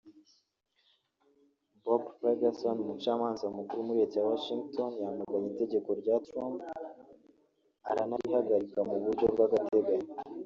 Bob Ferguson umucamanza mukuru muri Leta ya Washington yamaganye itegeko rya Trump aranarihagarika mu buryo bw’agateganyo